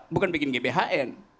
bukan bikin gbhn